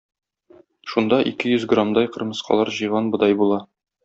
Шунда ике йөз граммдай кырмыскалар җыйган бодай була.